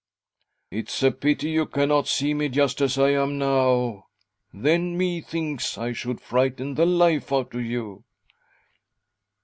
"It's a' pity you cannot see me just as I am now — then methinks I should frighten the life out of you."